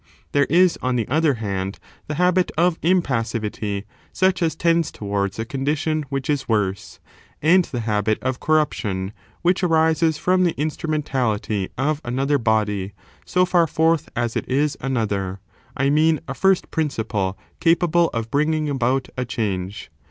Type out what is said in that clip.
There is, on the other han4 the habit of impassivity, such as tends towards a condition which is worse, and the habit of corruption, which arises from the instrumentality of another body, so fbr forth as it is another — I mean, a first principle capable of bringing about a change.